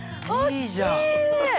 いいじゃん。